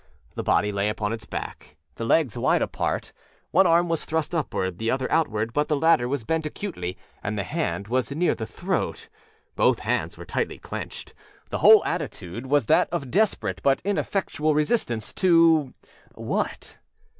The body lay upon its back, the legs wide apart. One arm was thrust upward, the other outward; but the latter was bent acutely, and the hand was near the throat. Both hands were tightly clenched. The whole attitude was that of desperate but ineffectual resistance toâwhat?